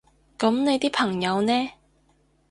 噉你啲朋友呢？